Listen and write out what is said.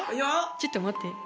ちょっと待って。